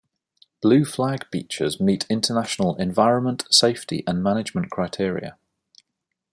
Blue flag beaches meet international Environment, Safety and Management criteria.